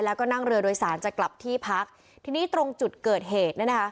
แล้วก็นั่งเรือโดยสารจะกลับที่พักทีนี้ตรงจุดเกิดเหตุเนี่ยนะคะ